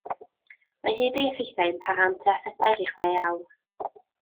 Mae hyd ei effeithiau yn para am tua phedair i chwe awr.